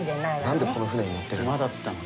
何でこの船に乗ってるの？